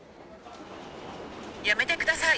やめてください。